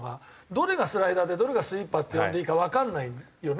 どれがスライダーでどれがスイーパーって呼んでいいかわかんないよね。